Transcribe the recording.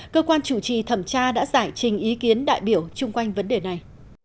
cơ quan chủ trì thẩm tra đã giải trình ý kiến đại biểu chung quanh vấn đề này